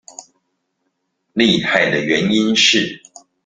厲害的原因是